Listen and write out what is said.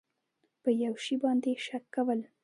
په یو شي باندې شک کول